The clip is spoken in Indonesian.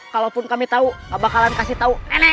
kalaupun kami tahu gak bakalan kasih tahu